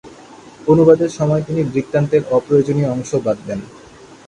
অনুবাদের সময় তিনি বৃত্তান্তের অপ্রয়োজনীয় অংশ বাদ দেন।